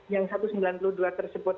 yang satu ratus sembilan puluh dua tersebut